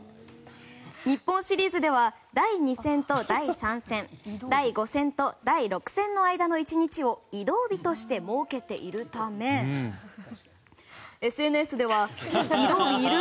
日本シリーズでは第２戦と第３戦第５戦と第６戦の間の１日を移動日として設けているためＳＮＳでは、移動日いる？